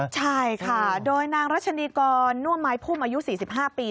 ใช่ค่ะโดยนางรัชนีกรน่วมไม้พุ่มอายุ๔๕ปี